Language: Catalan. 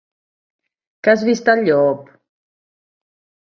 Que has vist el llop?